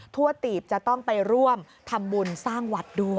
ทั่วตีบจะต้องไปร่วมทำบุญสร้างวัดด้วย